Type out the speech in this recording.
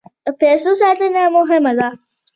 د پیسو ساتنه مهمه ده.